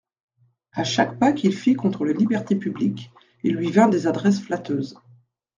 À chaque pas qu'il fit contre les libertés publiques, il lui vint des adresses flatteuses.